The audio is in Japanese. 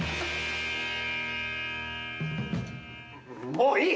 もういい。